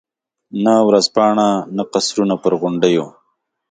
نه ورځپاڼه، نه قصرونه پر غونډیو.